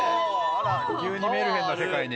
急にメルヘンな世界に。